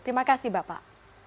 terima kasih bapak